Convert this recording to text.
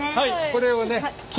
これをね